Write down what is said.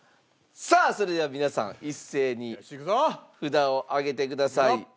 さあそれでは皆さん一斉に札を上げてください。